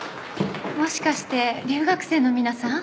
もしかして留学生の皆さん？